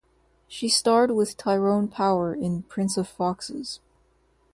She starred with Tyrone Power in "Prince of Foxes".